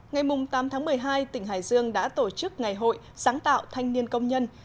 ngày tám tháng một mươi hai tỉnh hải dương đã tổ chức ngày hội sáng tạo thanh niên công nhân